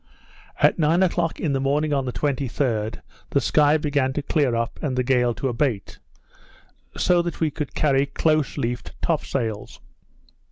At nine in the morning on the 23d, the sky began to clear up, and the gale to abate, so that we could carry close reefed top sails.